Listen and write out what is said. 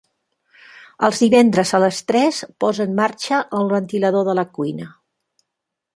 Els divendres a les tres posa en marxa el ventilador de la cuina.